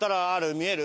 見える？